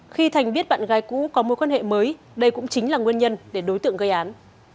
khi thành biết bạn gái cũ có mối quan hệ mới đây cũng chính là nguyên nhân để đối tượng gây án